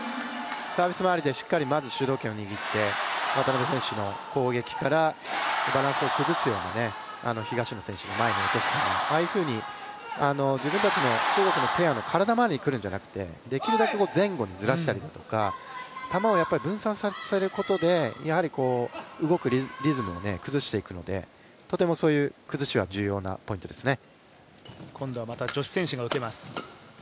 サービス周りでまずしっかり主導権を握って渡辺選手の攻撃からバランスを崩すような東野選手の前に落とすような球ああいうふうに、自分たちの、中国のペアの体周りに来るんじゃなくて、できるだけ前後にずらしたりだとか、球を分散させることで動くリズムを崩していくのでとてもそういう崩しは重要なポイントですね。